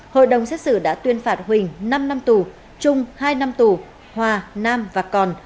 hội đồng xét xử đã tuyên phạt huỳnh năm năm tù trung hai năm tù hòa nam và còn